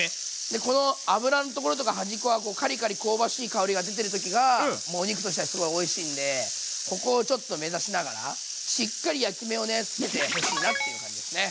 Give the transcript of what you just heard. でこの脂のところとか端っこがこうカリカリ香ばしい香りが出てる時がもうお肉としてはすごいおいしいんでここをちょっと目指しながらしっかり焼き目をねつけてほしいなっていう感じですね。